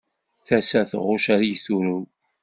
Tasa tɣucc ay turew.